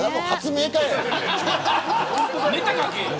ネタを書け。